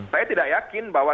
saya tidak yakin bahwa